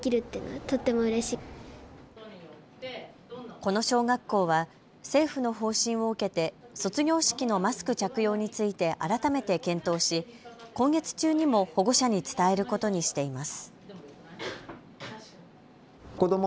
この小学校は政府の方針を受けて卒業式のマスク着用について改めて検討し、今月中にも保護者に伝えることにしています。